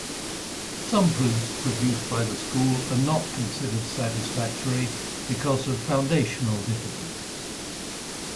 Some proofs produced by the school are not considered satisfactory because of foundational difficulties.